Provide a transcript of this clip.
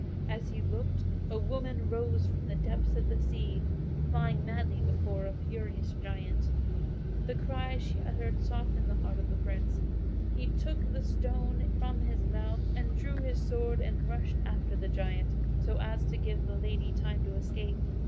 As he looked a woman rose from the depths of the sea, flying madly before a furious giant. The cries she uttered softened the heart of the Prince; he took the stone from his mouth, and drawing his sword he rushed after the giant, so as to give the lady time to escape.